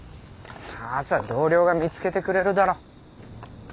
朝同僚が見つけてくれるだろ。